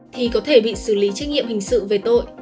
thì có thể bị xử lý trách nhiệm hình sự về tội